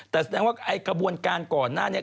แต่แสดงว่าไอ้กระบวนการก่อนหน้านี้